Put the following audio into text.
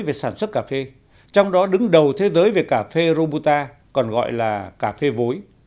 về sản xuất cà phê trong đó đứng đầu thế giới về cà phê robuta còn gọi là cà phê vối